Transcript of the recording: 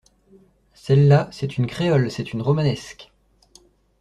Celle-là, c'est une créole, c'est une romanesque!